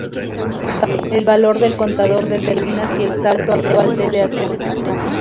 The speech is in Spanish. El valor del contador determina si el salto actual debe hacerse o no.